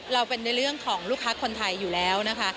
เราเป็นในเรื่องของลูกค้าคนไทยอยู่แล้วนะคะ